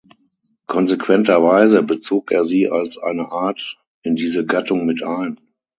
Konsequenterweise bezog er sie als eine Art in diese Gattung mit ein.